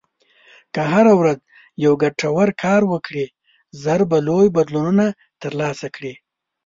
که هره ورځ یو ګټور کار وکړې، ژر به لوی بدلونونه ترلاسه کړې.